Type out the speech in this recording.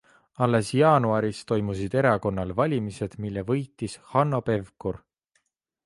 Alles jaanuaris toimusid erakonnal valimised, mille võitis Hanno Pevkur.